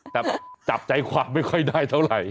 แต่จับใจความไม่ค่อยได้เท่าไหร่